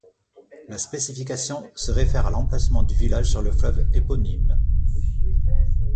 La spécification se réfère à l'emplacement du village sur le fleuve éponyme.